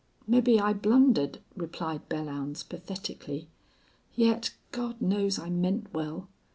"Mebbe I blundered," replied Belllounds, pathetically. "Yet, God knows I meant well.